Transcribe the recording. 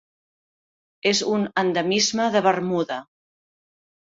És un endemisme de Bermuda.